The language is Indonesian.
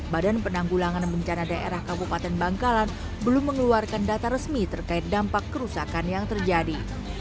badan penanggulangan bencana daerah kabupaten bangkalan belum mengeluarkan data resmi terkait dampak kerusakan yang terjadi